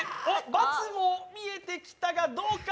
×も見えてきたが、どうか。